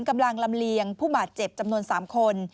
กำลังลำเลียงผู้บาดเจ็บจำนวน๓คน